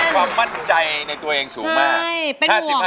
ความมั่นใจในตัวเองสูงมาก